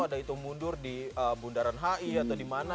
ada hitung mundur di bundaran hi atau di mana